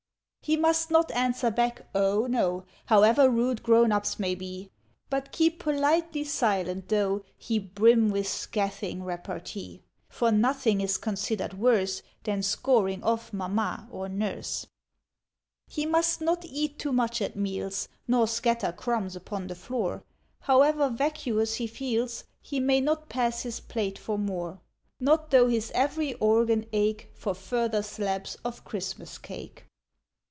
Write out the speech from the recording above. He must not answer back, oh no! However rude grown ups may be, But keep politely silent, tho' He brim with scathing repartee; For nothing is considered worse Than scoring off Mamma or Nurse. He must not eat too much at meals, Nor scatter crumbs upon the floor; However vacuous he feels, He may not pass his plate for more; Not tho' his ev'ry organ ache For further slabs of Christmas cake.